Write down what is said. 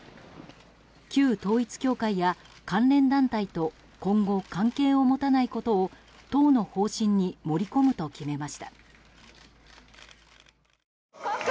旧統一教会や関連団体と今後、関係を持たないことを党の方針に盛り込むと決めました。